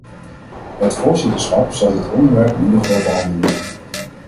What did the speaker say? Het voorzitterschap zal dit onderwerp in ieder geval behandelen.